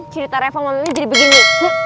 cerita reva sama mimmy jadi begini